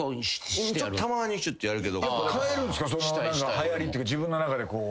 はやりっていうか自分の中でこう。